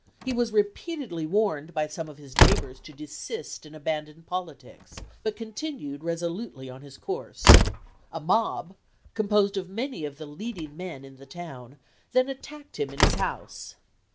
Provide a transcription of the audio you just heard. He was repeatedly warned by some of his neighbours to desist and abandon politics, but continued resolutely on his course. A mob, composed of many of the leading men in the town, then attacked him in his house.